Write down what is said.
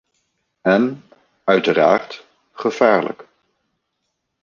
En – uiteraard – gevaarlijk.